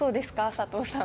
佐藤さん。